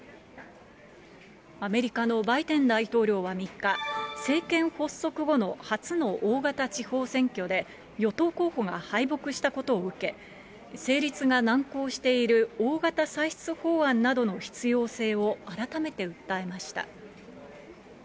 アメリカのバイデン大統領は３日、政権発足後の初の大型地方選挙で、与党候補が敗北したことを受け、成立が難航している大型歳出法案などの必要性を改めて訴えました。